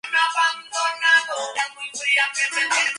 Más tarde, se elaboró el Plan Maestro para la construcción urbana.